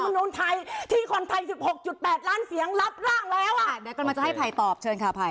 เดี๋ยวก่อนมาจะให้ภัยตอบเชิญค่ะภัย